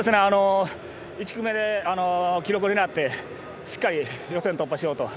１組目で記録を狙ってしっかり予選を突破しようと。